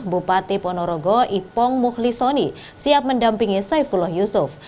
bupati ponorogo ipong mukhlisoni siap mendampingi saifulah yusuf